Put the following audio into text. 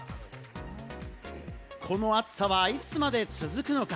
この暑さはいつまで続くのか？